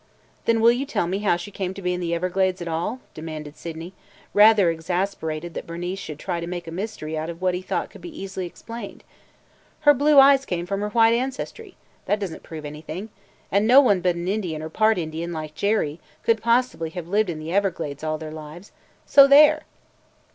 "Then will you tell me how she ever came to be in the Everglades at all?" demanded Sydney, rather exasperated that Bernice should try to make a mystery out of what he thought could be easily explained. "Her blue eyes came from her white ancestry. That does n't prove anything. And no one but an Indian or a part Indian like Jerry could possibly have lived in the Everglades all their lives. So there!"